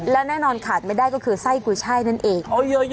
และแน่นอนขาดไม่ได้ก็คือไส้กุช่ายนั่นเอง